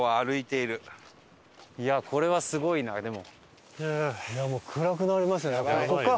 いやこれはすごいなでも。